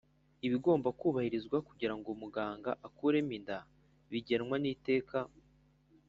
Ibigomba kubahirizwa kugira ngo muganga akuremo inda bigenwa n’iteka